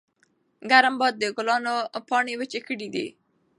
ګرم باد د ګلانو پاڼې وچې کړې وې.